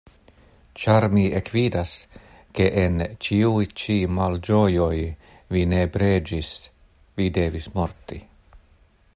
Ĉar mi ekvidas, ke en ĉiuj-ĉi malĝojoj vi ne preĝis, vi devis morti.